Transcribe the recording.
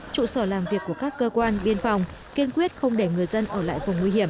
trụ sở làm việc của các cơ quan biên phòng kiên quyết không để người dân ở lại vùng nguy hiểm